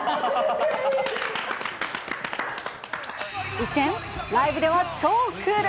一転、ライブでは超クール。